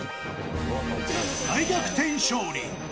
大逆転勝利。